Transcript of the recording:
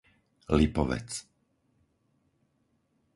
Lipovec